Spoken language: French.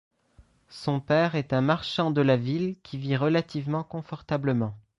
Son père est un marchand de la ville qui vit relativement confortablement.